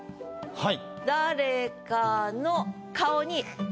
はい。